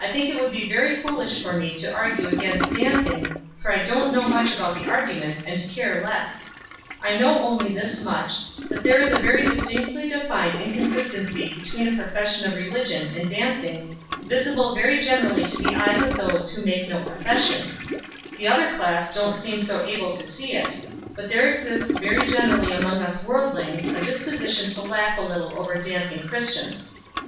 I think it would be very foolish for me to argue against dancing, for I don't know much about the arguments, and care less. I know only this much, that there is a very distinctly defined inconsistency between a profession of religion and dancing, visible very generally to the eyes of those who make no profession; the other class don't seem so able to see it; but there exists very generally among us worldlings a disposition to laugh a little over dancing Christians.